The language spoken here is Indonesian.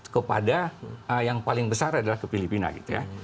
kepada yang paling besar adalah ke filipina gitu ya